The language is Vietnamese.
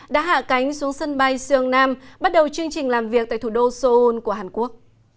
đã hạ cánh xuống sân bay seoung nam bắt đầu chương trình làm việc tại thủ đô seoul của hàn quốc